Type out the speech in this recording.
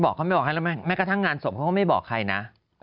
เขาไม่บอกแม้กระทั่งงานสมเขาก็ไม่บอกใครนะ